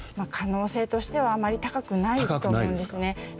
可能性としてはあまり高くないと思うんですね。